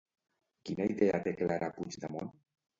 Quina idea té clara Puigdemont?